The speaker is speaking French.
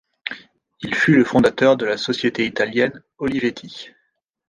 Il fut le fondateur de la société italienne Olivetti.